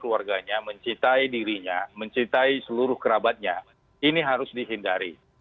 keluarganya mencintai dirinya mencintai seluruh kerabatnya ini harus dihindari